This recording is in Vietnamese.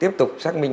tiếp tục xác minh